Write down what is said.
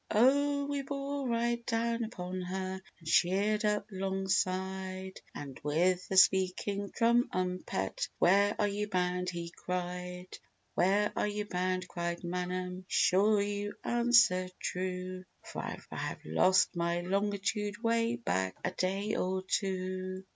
Oh, we bore right down upon her, And sheered up 'longside; And with a speaking tru um pet, "Where are you bound?" he cried. "Where are you bound," cried Manum, "Be sure you answer true, For I have lost my longitude Way back a day or two."